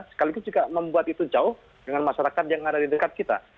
sekaligus juga membuat itu jauh dengan masyarakat yang ada di dekat kita